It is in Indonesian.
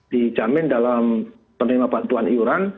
dijamin dalam penerima bantuan iuran